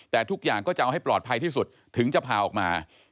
แต่ทุกอย่างก็จะเอาให้ปลอดภัยที่สุดถึงจะพาออกมา